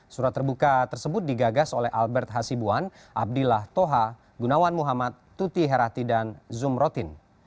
surat terbuka tersebut digagas oleh albert hasibuan abdillah toha gunawan muhammad tuti herati dan zumrotin